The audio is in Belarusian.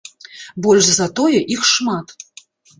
Больш за тое, іх шмат.